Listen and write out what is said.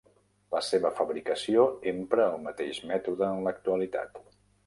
La seva fabricació empra el mateix mètode en l'actualitat.